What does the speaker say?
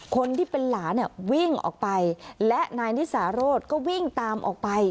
คนที่เป็นหลานเนี่ยวิ่งออกไปและนายนิสาโรธก็วิ่งตามออกไป